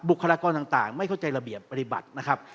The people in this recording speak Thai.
คลากรต่างไม่เข้าใจระเบียบปฏิบัตินะครับ